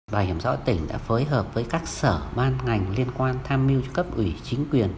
bảo hiểm xã hội tỉnh đã phối hợp với các sở ban ngành liên quan tham mưu cho cấp ủy chính quyền